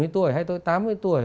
bảy mươi tuổi hay tôi tám mươi tuổi